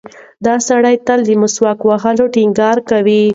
دا سړی تل د مسواک په وهلو ټینګار کوي.